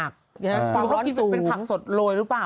รู้หรือเป็นผักสดโรยหรือเปล่า